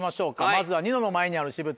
まずはニノの前にある私物。